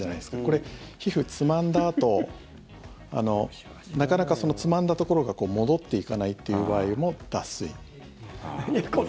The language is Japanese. これ、皮膚つまんだあとなかなかつまんだところが戻っていかないっていう場合も脱水。